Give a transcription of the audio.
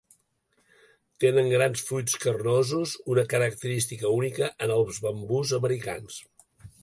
Tenen grans fruits carnosos, una característica única en els bambús americans.